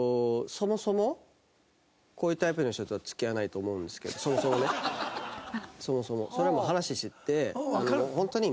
そもそもこういうタイプの人とは付き合わないと思うんですけどそもそもね。